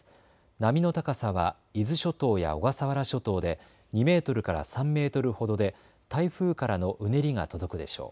波の高さは伊豆諸島や小笠原諸島で２メートルから３メートルほどで台風からのうねりが届くでしょう。